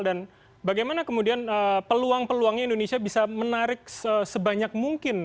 dan bagaimana kemudian peluang peluangnya indonesia bisa menarik sebanyak mungkin